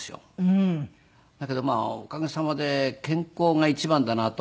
だけどおかげさまで健康が一番だなと。